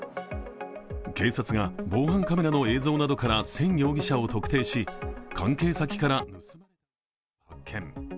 警察が防犯カメラの映像などから宣容疑者を特定し、関係先から盗まれた植木を発見。